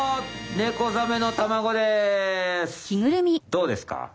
どうですか？